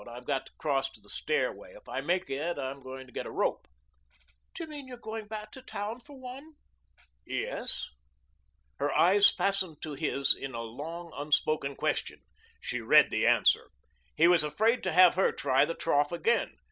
I've got to cross to the stairway. If I make it I'm going to get a rope." "Do you mean you're going back to town for one?" "Yes." Her eyes fastened to his in a long, unspoken question. She read the answer. He was afraid to have her try the trough again.